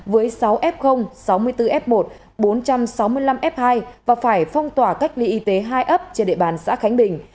với sáu f sáu mươi bốn f một bốn trăm sáu mươi năm f hai và phải phong tỏa cách ly y tế hai ấp trên địa bàn xã khánh bình